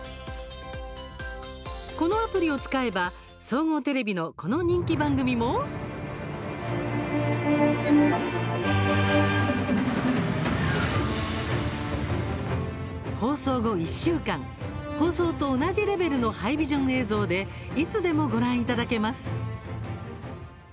このアプリを使えば総合テレビのこの人気番組も放送後１週間放送と同じレベルのハイビジョン映像でいつでもご覧いただけます。